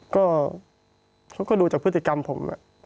ก็เขาก็ดูจากพฤติกรรมผม